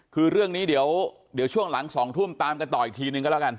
คือเรื่องนี้เดี๋ยวช่วงหลัง๒ทุ่มตามกันต่ออีกทีนึงก็แล้วกัน